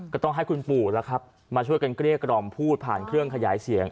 ก็ต้องให้คุณปู่แล้วครับมาช่วยกันเกลี้ยกล่อมพูดผ่านเครื่องขยายเสียง